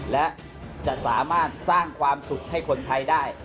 และจะสามารถสร้างความสุขให้คนไทยได้